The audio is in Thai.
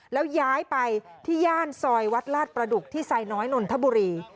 แล้วย้ายไปที่ย่านซอยวัดลาดประดุกที่ไซน้อยนนทบุรี